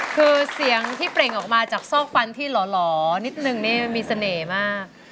คือเสียงที่เปล่งออกมาจากซอกฟันที่หล่อนิดนึงนี่มีเสน่ห์มาก